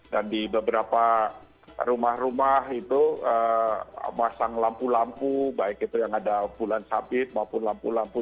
dan di beberapa rumah rumah itu masang lampu lampu baik itu yang ada bulan sabit maupun lampu lampu